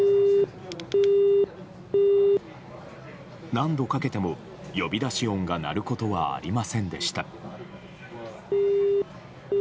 何度かけても呼び出し音が鳴ることはありませんでした。